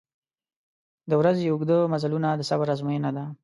• د ورځې اوږده مزلونه د صبر آزموینه ده.